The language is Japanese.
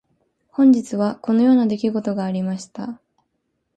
本日はこのような出来事がありました。